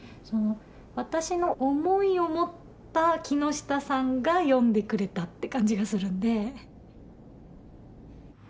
私の思いを持った木下さんが読んでくれたって感じがするんで。